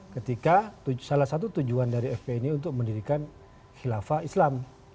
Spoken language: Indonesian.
ketika salah satu tujuan dari fpi ini untuk mendirikan khilafah islam